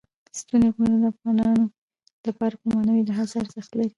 ستوني غرونه د افغانانو لپاره په معنوي لحاظ ارزښت لري.